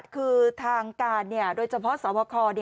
คือทางการโดยเฉพาะสวบค